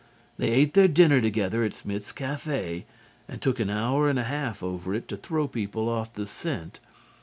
They ate their dinner together at Smith's cafe and took an hour and a half over it to throw people off the scent.